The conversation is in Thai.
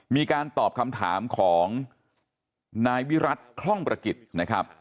มีการตอบคำถามของนายวิรัติคล่องประกิจนะครับ